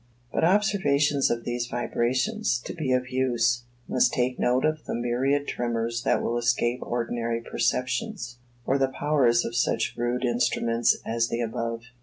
But observations of these vibrations, to be of use, must take note of the myriad tremors that will escape ordinary perceptions, or the powers of such rude instruments as the above.